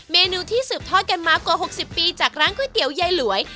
เมนูที่สืบทอดกันมากว่า๖๐ปีจากร้านก๋วยเตี๋ยวยายหลวย